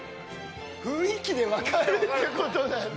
雰囲気で分かるってことなんだ。